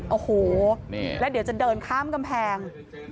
โอ้โหแล้วเดี๋ยวจะเดินข้ามกำแพง